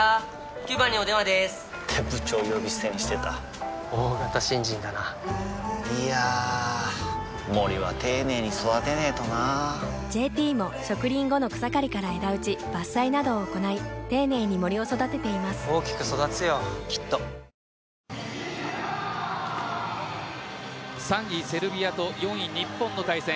９番にお電話でーす！って部長呼び捨てにしてた大型新人だないやー森は丁寧に育てないとな「ＪＴ」も植林後の草刈りから枝打ち伐採などを行い丁寧に森を育てています大きく育つよきっと３位・セルビアと４位・日本の対戦。